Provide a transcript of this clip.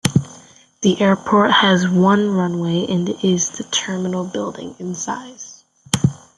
The airport has one runway and is and the terminal building, in size.